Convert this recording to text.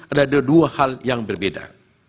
ada dua hal yang berbeda